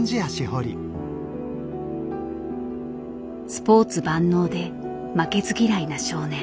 スポーツ万能で負けず嫌いな少年。